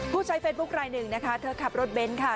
ผู้ใช้เฟซบุ๊คลายหนึ่งนะคะเธอขับรถเบนท์ค่ะ